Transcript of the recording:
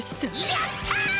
やった！